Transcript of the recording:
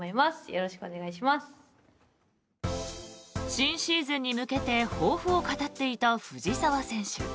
新シーズンに向けて抱負を語っていた藤澤選手。